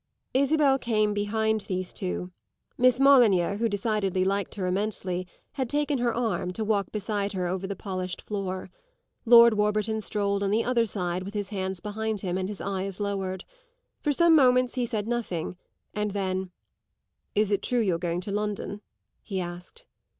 Isabel came behind these two; Miss Molyneux, who decidedly liked her immensely, had taken her arm, to walk beside her over the polished floor. Lord Warburton strolled on the other side with his hands behind him and his eyes lowered. For some moments he said nothing; and then, "Is it true you're going to London?" he asked.